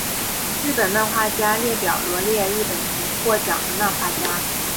日本漫画家列表罗列日本曾获奖的漫画家。